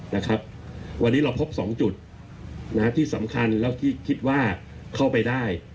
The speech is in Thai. นะครับวันนี้เราพบสองจุดนะที่สำคัญแล้วที่คิดว่าเข้าไปได้